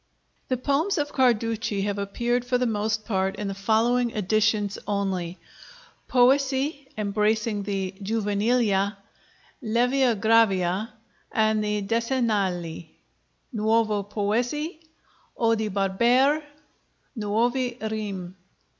The poems of Carducci have appeared for the most part in the following editions only: 'Poesie,' embracing the 'Juvenilia,' 'Levia Gravia,' and the 'Decennali'; 'Nuove Poesie,' 'Odi Barbare,' 'Nuove Rime.'